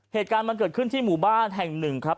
เหตุการณ์มันเกิดขึ้นที่หมู่บ้านแห่งหนึ่งครับ